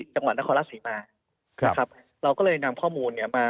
จังหวัณภรรณ์นักฮอล่าศรีมาเราก็เลยนำข้อมูลมา